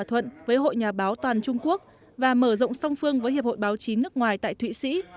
hội nhà báo toàn trung quốc và mở rộng song phương với hiệp hội báo chí nước ngoài tại thụy sĩ